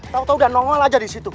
tau tau udah normal aja disitu